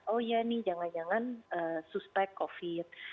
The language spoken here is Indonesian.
oh iya nih jangan jangan suspek covid